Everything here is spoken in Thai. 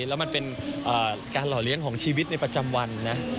แล้วการหล่อเลี้ยงชีวิตในประจำวัน